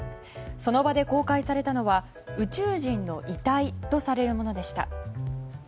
その場で公開されたのは宇宙人の遺体とされるものでした。